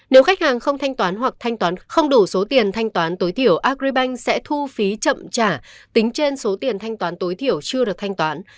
nếu khách hàng không thanh toán hoặc thanh toán không đủ số tiền thanh toán tối thiểu agribank sẽ thu phí chậm trả tính trên số tiền thanh toán tối thiểu chưa được thanh toán